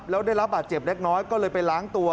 แล้วได้รับบาดเจ็บเล็กน้อยก็เลยไปล้างตัว